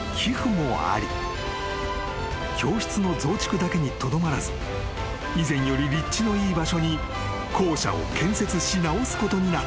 ［教室の増築だけにとどまらず以前より立地のいい場所に校舎を建設し直すことになった］